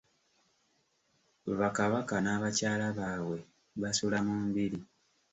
Bakabaka n'abakyala baabwe basula mu mbiri.